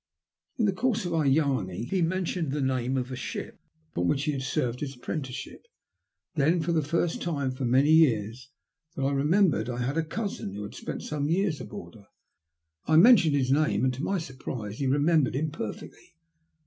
In the course of our yarning he men tioned the name of the ship upon which he had served his apprenticeship. Then, for the first time for many years, I remembered that I had a cousin who had also spent some years aboard her. I mentioned his name, and to my surprise he remembered him per fectly.